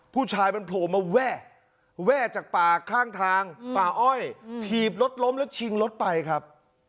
ผู้ชายมันโผล่มาแว่แว่จากป่าข้างทางป่าอ้อยถีบรถล้มแล้วชิงรถไปครับ